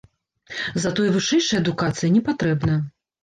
Затое вышэйшая адукацыя не патрэбна.